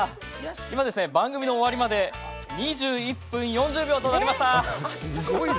今、番組の終わりまで２１分４０秒となりました。